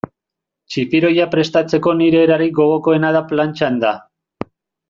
Txipiroia prestatzeko nire erarik gogokoena da plantxan da.